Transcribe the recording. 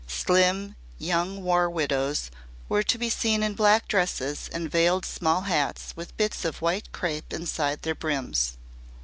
Slim young war widows were to be seen in black dresses and veiled small hats with bits of white crape inside their brims.